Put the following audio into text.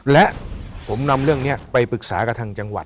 และผมนำเรื่องนี้ไปปรึกษากับทางจังหวัด